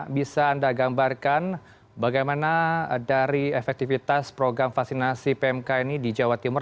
bisa anda gambarkan bagaimana dari efektivitas program vaksinasi pmk ini di jawa timur